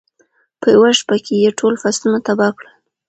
په یوه شپه کې یې ټول فصلونه تباه کړل.